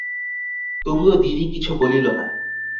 তবুও দিদি কিছু বলিল না।